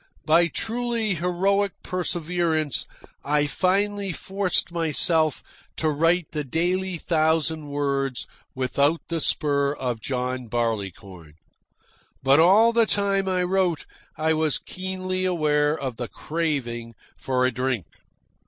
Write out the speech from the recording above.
By truly heroic perseverance I finally forced myself to write the daily thousand words without the spur of John Barleycorn. But all the time I wrote I was keenly aware of the craving for a drink.